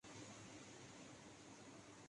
نریندر مودی کو ہم نے ہٹلر کہہ دیا۔